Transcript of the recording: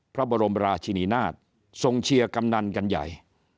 พระบรมราชินีนาฏทรงเชียร์กำนันกันใหญ่